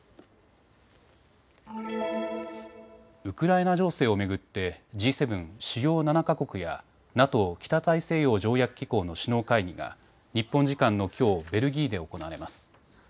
ウクライナ情勢を巡ってＧ７・主要７か国やＮＡＴＯ・北大西洋条約機構の首脳会議が日本時間のきょう、ベルギーで行われます。